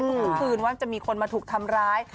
ทุกคืนว่าจะมีคนมาถูกทำร้าย